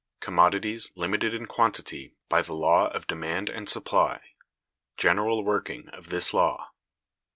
Commodities limited in Quantity by the law of Demand and Supply: General working of this Law.